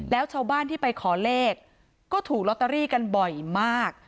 แล้วชาวบ้านที่ไปขอเลขก็ถูกลอตเตอรี่กันบ่อยมาก